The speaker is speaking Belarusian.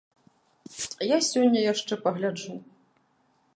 Я сёння яшчэ пагляджу.